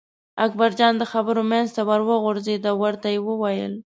اکبرجان د خبرو منځ ته ور وغورځېد او ورته یې وویل.